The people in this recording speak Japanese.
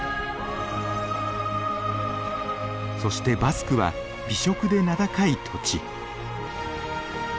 そしてバスクは美食で名高い土地。